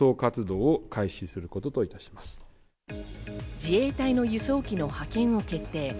自衛隊の輸送機の派遣を決定。